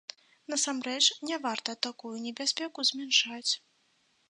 Насамрэч, не варта такую небяспеку змяншаць.